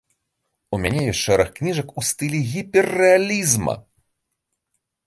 У мяне ёсць шэраг кніжак у стылі гіперрэалізма.